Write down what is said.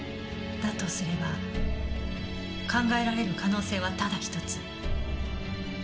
だとすれば考えられる可能性はただ１つ。